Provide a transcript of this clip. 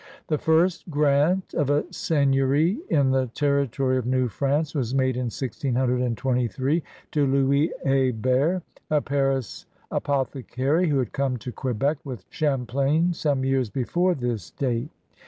The first grant of a seigneury in the territory of New France was made in 1623 to Louis H6bert, a Paris apothecary who had come to Quebec with Champlain some years before this date.